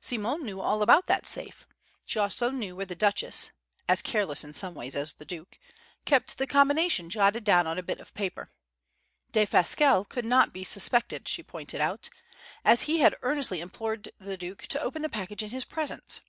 Simone knew all about that safe! She knew also where the Duchess (as careless in some ways as the Duke) kept the combination jotted down on a bit of paper. Defasquelle could not be suspected (she pointed out), as he had earnestly implored the Duke to open the package in his presence.